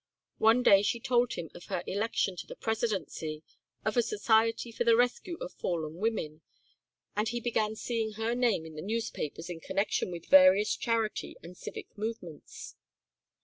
One day she told him of her election to the presidency of a society for the rescue of fallen women, and he began seeing her name in the newspapers in connection with various charity and civic movements.